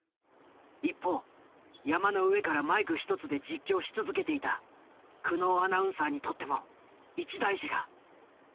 一方山の上からマイク一つで実況し続けていた久能アナウンサーにとっても一大事が。